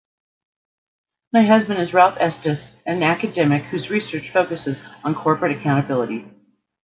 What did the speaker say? Her husband is Ralph Estes, an academic whose research focuses on corporate accountability.